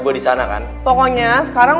gua disana kan pokoknya sekarang